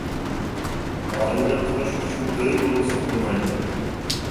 ئائىلە قۇرۇش ئۈچۈن ئۆي بولمىسا بولمايدۇ.